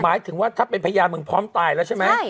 หมายถึงว่าถ้าเป็นพยานมึงพร้อมตายแล้วใช่ไหม